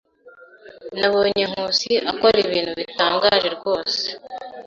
Nabonye Nkusi akora ibintu bitangaje rwose.